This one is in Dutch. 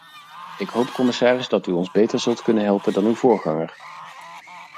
Ik hoop, commissaris, dat u ons beter zult kunnen helpen dan uw voorganger.